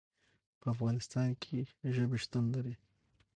په افغانستان کې ژبې شتون لري.